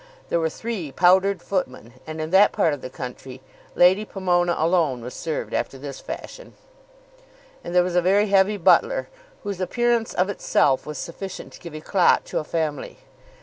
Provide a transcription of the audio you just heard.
There were three powdered footmen, and in that part of the country Lady Pomona alone was served after this fashion; and there was a very heavy butler, whose appearance of itself was sufficient to give éclat to a family.